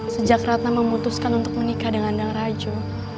sejak ratna memutuskan untuk menikah dengan yang raju